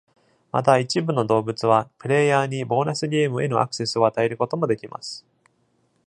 また一部の動物は、プレイヤーにボーナスゲームへのアクセスを与えることもできます。